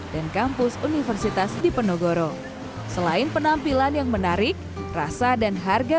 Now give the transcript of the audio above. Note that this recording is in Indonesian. dan kampus universitas dipenogoro selain penampilan yang menarik rasa dan harga